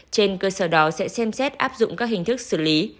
trên cơ sở đó sẽ xem xét áp dụng các hình thức xử lý